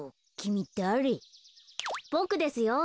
ボクですよ。